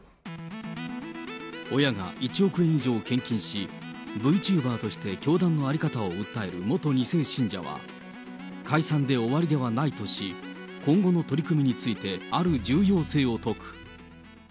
親が１億円以上献金し、ＶＴｕｂｅｒとして教団の在り方を訴える元２世信者は、解散で終わりではないとし、今後の取り組みについてある重要性を説く。